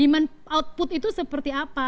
human output itu seperti apa